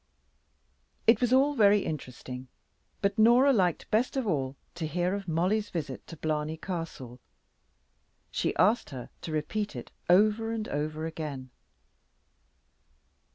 It was all very interesting, but Norah liked best of all to hear of Mollie's visit to Blarney Castle. She asked her to repeat it over and over again.